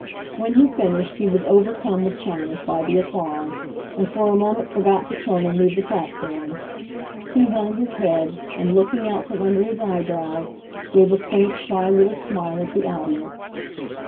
When he finished he was overcome with shyness by the applause, and for a moment forgot to turn and leave the platform. He hung his head, and, looking out from under his eyebrows, gave a quaint, shy little smile at the audience.